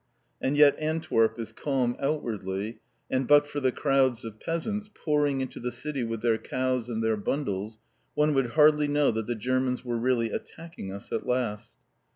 And yet Antwerp is calm outwardly, and but for the crowds of peasants, pouring into the city with their cows and their bundles, one would hardly know that the Germans were really attacking us at last.